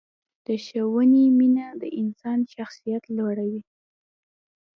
د ښوونې مینه د انسان شخصیت جوړوي.